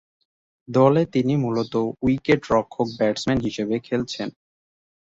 দলে তিনি মূলতঃ উইকেট-রক্ষক-ব্যাটসম্যান হিসেবে খেলছেন।